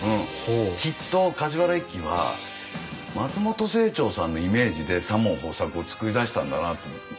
きっと梶原一騎は松本清張さんのイメージで左門豊作を作り出したんだなと思って。